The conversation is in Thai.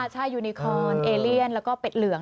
ใช่ยูนิคอนเอเลียนแล้วก็เป็ดเหลือง